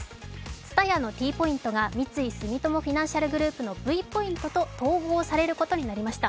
ＴＳＵＴＡＹＡのＴポイントが三井住友フィナンシャルグループのＶポイントと統合されることになりました。